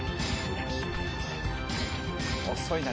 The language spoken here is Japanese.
遅いな。